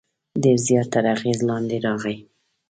ډېر زیات تر اغېز لاندې راغی.